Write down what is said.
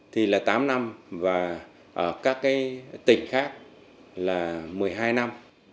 thì là tám năm và ở các tỉnh khác là một mươi hai năm